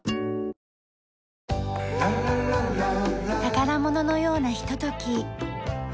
宝物のようなひととき。